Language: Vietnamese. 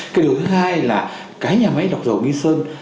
cái điều thứ hai là cái nhà máy đọc dầu nguyên sơn